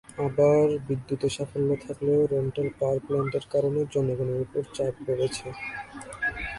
আবার বিদ্যুতে সাফল্য থাকলেও রেন্টাল পাওয়ার প্ল্যান্টের কারণে জনগণের ওপর চাপ বেড়েছে।